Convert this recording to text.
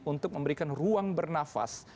untuk memberikan ruang bernafas